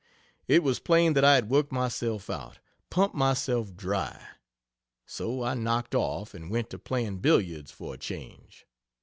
It was plain that I had worked myself out, pumped myself dry. So I knocked off, and went to playing billiards for a change.